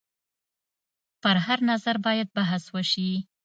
پر هر نظر باید بحث وشي.